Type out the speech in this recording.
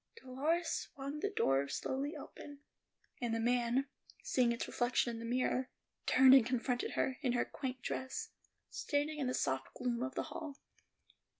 Dolores swung the door slowly open, and the man, seeing its reflection in the mirror, turned and confronted her, in her quaint dress, standing in the soft gloom of the hall.